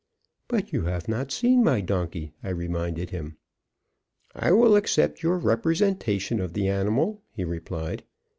"But you have not seen my donkey," I reminded him. "I will accept your representation of the animal," he replied.